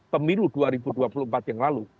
pemilu dua ribu dua puluh empat yang lalu